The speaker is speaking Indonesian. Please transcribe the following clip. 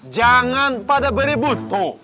jangan pada berebut